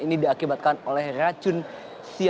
ini diakibatkan oleh racun sia